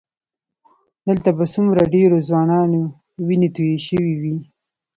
دلته به څومره ډېرو ځوانانو وینې تویې شوې وي.